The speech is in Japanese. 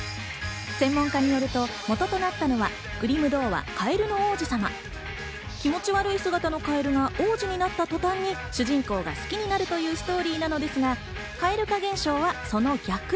専門家によると、元となったのグリム童話『かえるの王子様』。気持ち悪い姿の蛙が王子になった途端に主人公が好きになるというストーリーなのですが、蛙化現象はその逆。